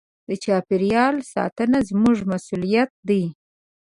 د چاپېریال ساتنه زموږ مسوولیت دی.